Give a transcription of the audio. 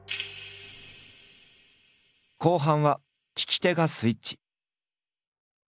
後半は聞き手がスイッチ。